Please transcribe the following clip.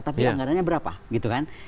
tapi anggarannya berapa gitu kan